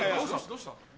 どうした？